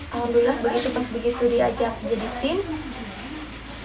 alhamdulillah begitu pas begitu diajak jadi tim